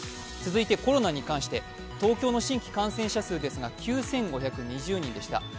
続いてコロナに関して、東京の新規感染者数ですが９５２０人でした。